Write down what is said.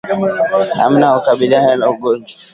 Namna ya kukabiliana na ugonjwa